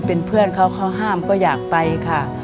เป็นเพื่อนเขาเขาห้ามก็อยากไปค่ะ